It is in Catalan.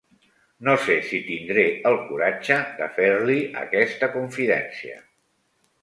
No sé si tindré el coratge de fer-li aquesta confidència.